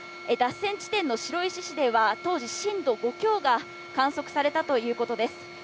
脱線地点の白石市では当時、震度５強が観測されたということです。